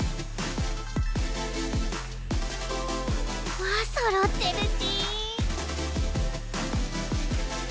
うわそろってるち。